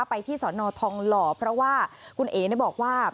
ไปที่สอนอทองหล่อเพราะว่าคุณเอ๋บอกว่า